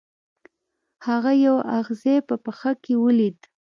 هغه یو اغزی په پښه کې ولید.